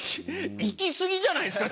行きすぎじゃないですか？